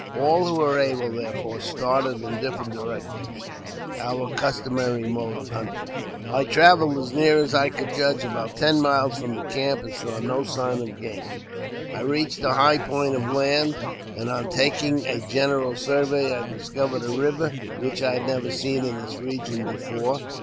All who were able, therefore, started in different directions, our customary mode of hunting. I travelled, as near as I could judge, about ten miles from the camp, and saw no signs of game. I reached a high point of land, and, on taking a general survey, I discovered a river which I had never seen in this region before.